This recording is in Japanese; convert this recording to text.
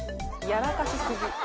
「やらかしすぎ」